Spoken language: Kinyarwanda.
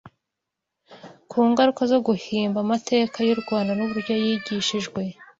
ku ngaruka zo guhimba amateka y’u Rwanda n’uburyo yigishijwe